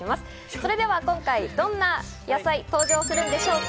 それでは今回どんな野菜が登場するんでしょうか。